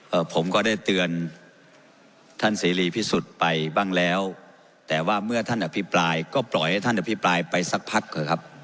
ผมก็ได้เตือนท่านเสรีพิสุทธิ์ไปบ้างแล้วแต่ว่าเมื่อท่านอภิปรายก็ปล่อยให้ท่านอภิปรายไปสักพักเถอะครับ